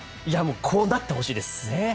こうなってほしいです。